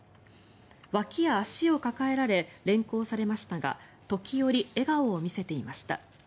わきや足を抱えられ連行されましたが時折、笑顔を見せていました。